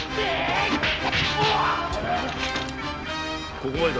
ここまでだ。